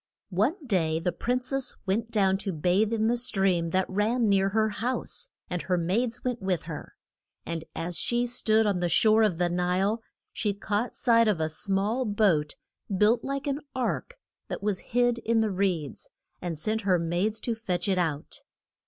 One day the prin cess went down to bathe in the stream that ran near her house. And her maids went with her. And as she stood on the shore of the Nile, she caught sight of a small boat built like an ark, that was hid in the reeds, and sent her maids to fetch it out.